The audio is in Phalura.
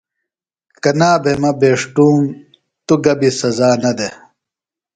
کنا بھےۡ مہ بھیشُوۡم توۡ گہ بیۡ سزا نہ دےۡ۔